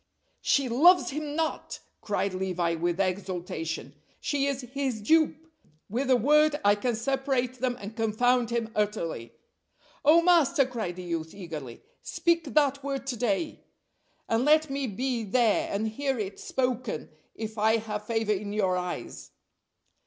"She loves him not!" cried Levi, with exultation. "She is his dupe! With a word I can separate them and confound him utterly." "Oh, master!" cried the youth eagerly, "speak that word to day, and let me be there and hear it spoken if I have favor in your eyes."